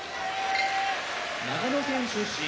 長野県出身